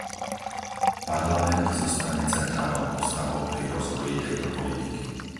Parlament zostane centrálnou postavou pri rozvoji tejto politiky.